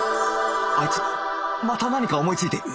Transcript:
あいつまた何か思いついてる